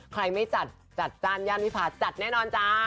ใครไม่จัดจัดจ้านย่านวิพาจัดแน่นอนจ้า